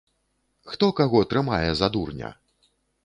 Хто каго трымае за дурня?